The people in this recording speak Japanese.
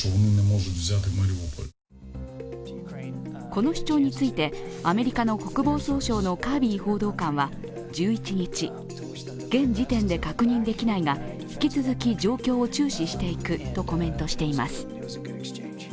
この主張について、アメリカの国防総省のカービー報道官は１１日、現時点で確認できないが引き続き状況を注視していくとコメントしています。